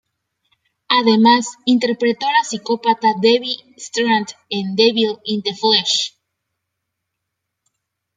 Además, interpretó a la psicópata Debbie Strand en "Devil in the Flesh".